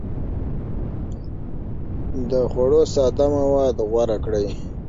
د خوړو ساده مواد غوره کړئ.